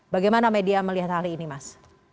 bagaimana media melihat hal ini mas